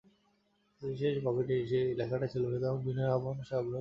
সতীশের পকেটেই সেই লেখাটা ছিল, সুতরাং বিনয়ের আহ্বান সে অগ্রাহ্য করিতে পারিল না।